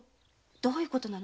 どういうことなの？